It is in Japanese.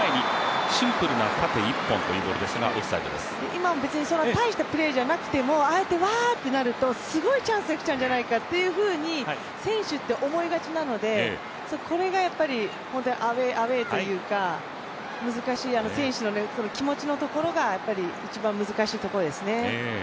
今も大したプレーじゃなくてもああやってワーってなるとすごいチャンスが来ちゃうんじゃないかと選手って思いがちなので、これがアウェーというか、難しい、選手の気持ちのところが一番難しいところですね。